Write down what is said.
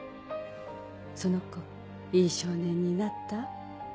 その子いい少年になった？